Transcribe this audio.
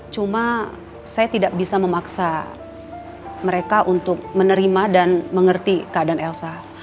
cuma saya tidak bisa memaksa mereka untuk menerima dan mengerti keadaan elsa